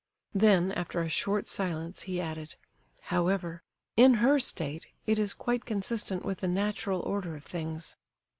Then after a short silence, he added: "However, in her state, it is quite consistent with the natural order of things."